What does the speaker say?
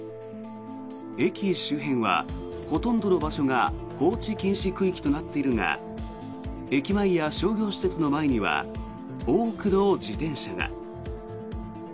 駅周辺はほとんどの場所が放置禁止区域となっているが駅前や商業施設の前には多くの自転車が。